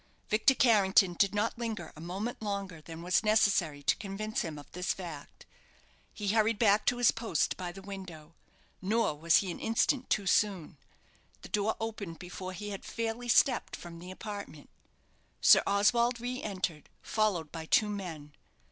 Victor Carrington did not linger a moment longer than was necessary to convince him of this fact. He hurried back to his post by the window: nor was he an instant too soon. The door opened before he had fairly stepped from the apartment. Sir Oswald re entered, followed by two men.